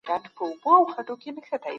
د خپل انتقام لپاره ظالم ته ښېرا کول پر وانلري